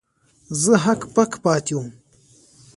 زه هک پک پاتې وم.